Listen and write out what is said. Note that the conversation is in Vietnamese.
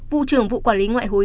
vụ trưởng vụ quản lý ngoại hối